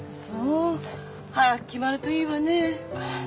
そう早く決まるといいわね。